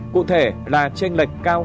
cụ thể là tranh lệch cao hơn